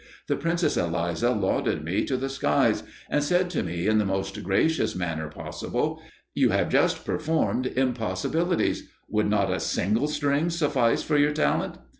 The Princess Eliza lauded me to the skies; and said to me in the most gracious manner possible, 'You have just performed impossibilities; would not a single string suffice for your talent?